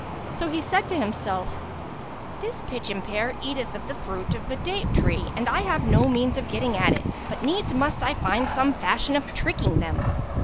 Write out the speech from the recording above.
So he said to himself, "This pigeon pair eateth of the fruit of the date tree and I have no means of getting at it; but needs must I find some fashion of tricking them.